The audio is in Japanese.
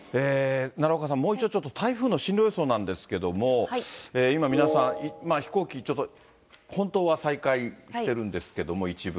奈良岡さん、もう一度台風の進路予想なんですけれども、今、皆さん、飛行機、ちょっと、本当は再開してるんですけれども、一部。